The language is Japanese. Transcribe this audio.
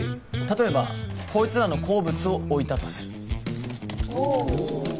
例えばこいつらの好物を置いたとするおおっ！